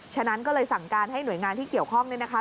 ฉะนั้นก็เลยสั่งการให้หน่วยงานที่เกี่ยวข้องเนี่ยนะคะ